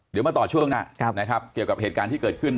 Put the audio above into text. เดี๋ยวมาต่อช่วงหน้านะครับเกี่ยวกับเหตุการณ์ที่เกิดขึ้น